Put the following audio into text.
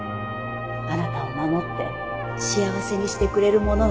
あなたを守って幸せにしてくれるものなのよ。